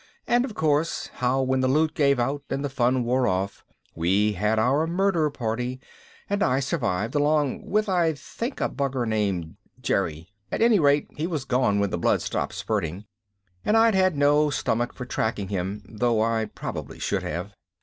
And, of course, how when the loot gave out and the fun wore off, we had our murder party and I survived along with, I think, a bugger named Jerry at any rate, he was gone when the blood stopped spurting, and I'd had no stomach for tracking him, though I probably should have.